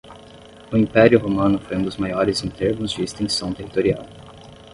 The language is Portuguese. O Império Romano foi um dos maiores em termos de extensão territorial